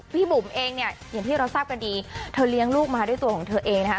บุ๋มเองเนี่ยอย่างที่เราทราบกันดีเธอเลี้ยงลูกมาด้วยตัวของเธอเองนะคะ